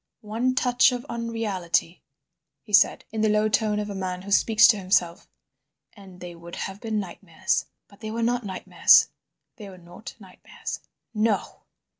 "One touch of unreality," he said, in the low tone of a man who speaks to himself, "and they would have been nightmares. But they were not nightmares—they were not nightmares. No!"